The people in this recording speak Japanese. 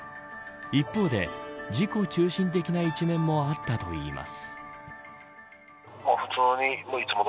一方で、自己中心的な一面もあったといいます。